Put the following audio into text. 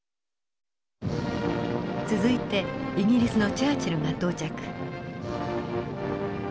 続いてイギリスのチャーチルが到着。